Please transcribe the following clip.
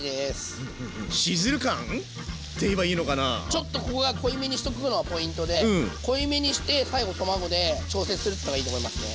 ちょっとここが濃いめにしとくのがポイントで濃いめにして最後卵で調節するっていうのがいいと思いますね。